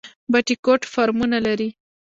بټي کوټ فارمونه لري؟